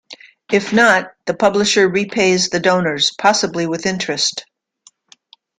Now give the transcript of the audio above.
If not, the publisher repays the donors, possibly with interest.